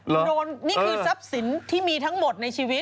โดนนี่คือทรัพย์สินที่มีทั้งหมดในชีวิต